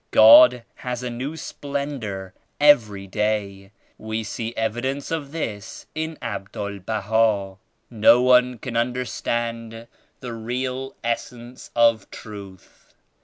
God has a new splendor every day. We see evidence of this in Abdul Baha. No one can understand the real Essence of Truth.